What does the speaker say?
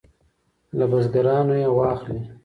له بزګرانو یې واخلي.